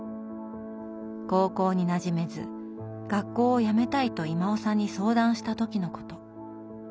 高校になじめず学校をやめたいと威馬雄さんに相談した時のこと。